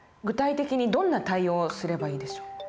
具体的にどんな対応をすればいいでしょう？